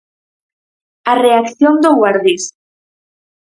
A reacción do Guardés.